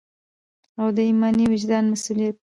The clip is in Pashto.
او دا ایماني او وجداني مسؤلیت